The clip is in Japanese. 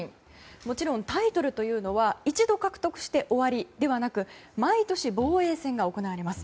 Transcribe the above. もちろんタイトルというのは一度、獲得して終わりではなく毎年、防衛戦が行われます。